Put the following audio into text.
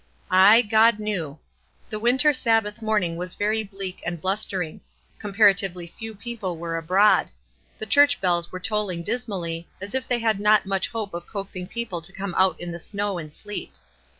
Aye, God knew. The winter Sabbath morn ing was very bleak and blustering; compara tively few people were abroad ; the church bells were tolling dismally, as if they had not much hope of coaxing people to come out in the snow and sleet.